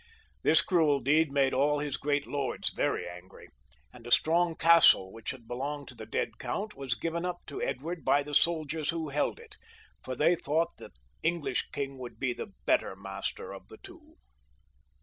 This cruel deed made aU his great lords very angry, and a strong castle, which had belonged to the dead count, was given up to Edward by the soldiers who held it, for they thought the English king would be the better master of the two.